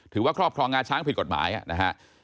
ครอบครองงาช้างผิดกฎหมายนะฮะ